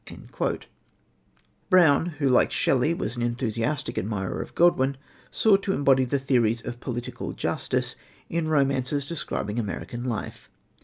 " Brown, who, like Shelley, was an enthusiastic admirer of Godwin, sought to embody the theories of Political Justice in romances describing American life.